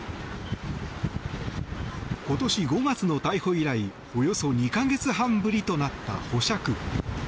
今年５月の逮捕以来およそ２か月半ぶりとなった保釈。